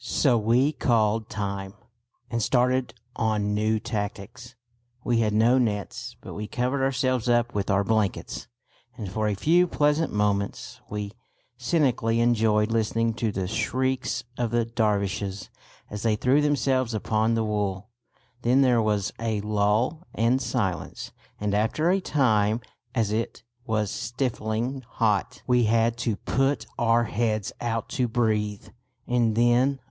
So we "called time" and started on new tactics. We had no nets; but we covered ourselves up with our blankets, and for a few pleasant moments we cynically enjoyed listening to the shrieks of the Dervishes as they threw themselves upon the wool. Then there was a lull and silence; and after a time, as it was stifling hot, we had to put our heads out to breathe, and then